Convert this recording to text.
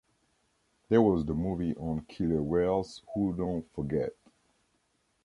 There was the movie on killer whales who don’t forget.